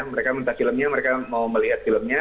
mereka minta filmnya mereka mau melihat filmnya